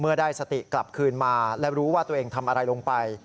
ได้สติกลับคืนมาและรู้ว่าตัวเองทำอะไรลงไป